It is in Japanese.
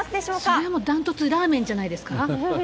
それはもうだんとつ、ラーメンじゃないですか？